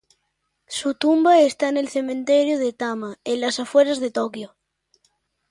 Su tumba está en el Cementerio de Tama, en las afueras de Tokio.